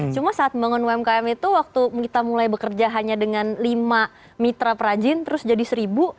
cuma saat membangun umkm itu waktu kita mulai bekerja hanya dengan lima mitra perajin terus jadi seribu